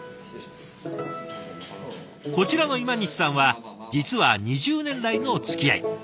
こちらの今西さんは実は２０年来のおつきあい。